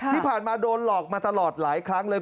ที่ผ่านมาโดนหลอกมาตลอดหลายครั้งเลย